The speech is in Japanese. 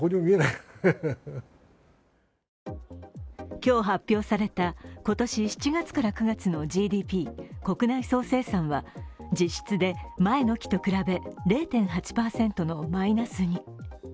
今日発表された今年７月から９月のＧＤＰ＝国内総生産は実質で前の期と比べ０．８％のマイナスに。